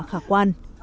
khá là tốt